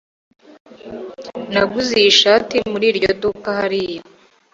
Naguze iyi shati muri iryo duka hariya.